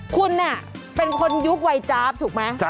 คุณเป็นคนยุควัยจ๊าบถูกไหม